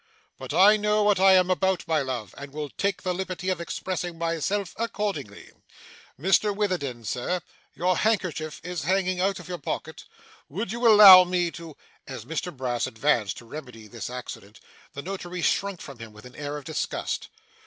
But I know what I am about, my love, and will take the liberty of expressing myself accordingly. Mr Witherden, Sir, your handkerchief is hanging out of your pocket would you allow me to , As Mr Brass advanced to remedy this accident, the Notary shrunk from him with an air of disgust.